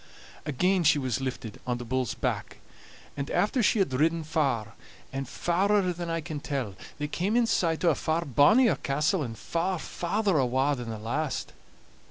Again she was lifted on the bull's back, and after she had ridden far, and farer than I can tell, they came in sight o' a far bonnier castle, and far farther awa' than the last.